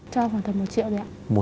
cho khoảng thật một triệu đấy ạ